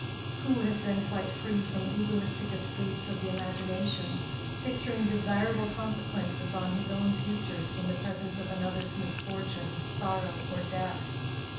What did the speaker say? Who has been quite free from egoistic escapes of the imagination, picturing desirable consequences on his own future in the presence of another's misfortune, sorrow, or death?